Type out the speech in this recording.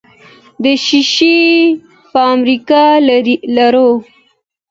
د شیشې فابریکه لرو؟